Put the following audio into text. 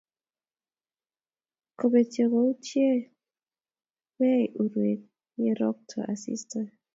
Kobetyo kouye betei urwet yerorokto asista